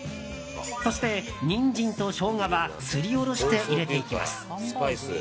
そしてニンジンとショウガはすりおろして入れていきます。